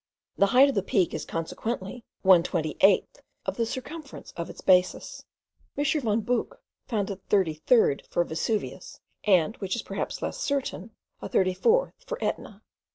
The height of the Peak is consequently one twenty eighth of the circumference of its basis. M. von Buch found a thirty third for Vesuvius; and, which perhaps is less certain, a thirty fourth for Etna.